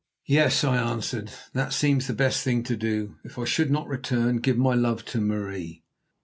"Yes," I answered; "that seems the best thing to do. If I should not return, give my love to Marie."